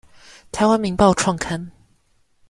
臺灣民報創刊